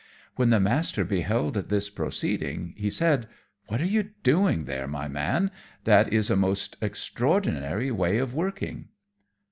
When the Master beheld this proceeding, he said, "What are you doing there, my man? That is a most extraordinary way of working."